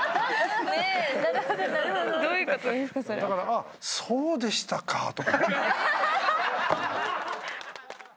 「あっそうでしたか」とか。